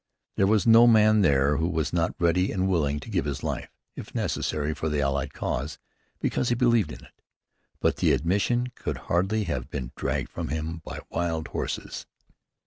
There was no man there who was not ready and willing to give his life, if necessary, for the Allied cause, because he believed in it; but the admission could hardly have been dragged from him by wild horses.